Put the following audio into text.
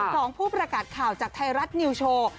ของผู้ประกาศข่าวจากไทยรัฐนิวโชว์